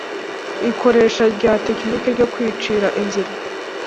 Ikoresha rya tekinike ryo kwicira inzira